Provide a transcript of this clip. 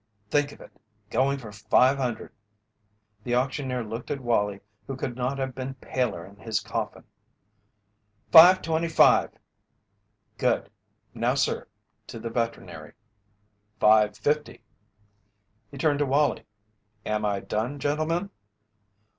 "Think of it! Going for five hundred!" The auctioneer looked at Wallie, who could not have been paler in his coffin. "Five twenty five!" "Good! Now, sir," to the veterinary. "Five fifty!" He turned to Wallie: "Am I done, gentlemen?"